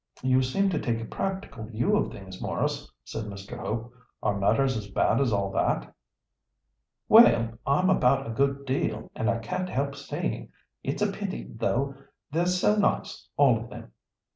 "You seem to take a practical view of things, Maurice," said Mr. Hope. "Are matters as bad as all that?" "Well, I'm about a good deal, and I can't help seeing. It's a pity, too; they're so nice, all of them."